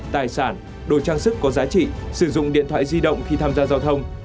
tài sản đồ trang sức có giá trị sử dụng điện thoại di động khi tham gia giao thông